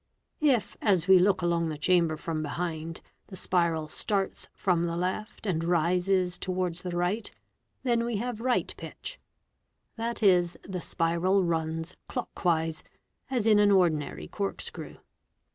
If, as we look along t chamber from behind, the spiral starts from the left and rises towards the right, then we have right pitch ; 7.¢., the spiral runs " clock wise", as in an ordinary corkscrew.